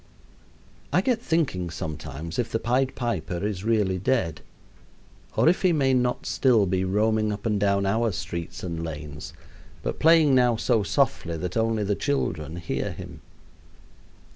I get thinking sometimes if the Pied Piper is really dead, or if he may not still be roaming up and down our streets and lanes, but playing now so softly that only the children hear him.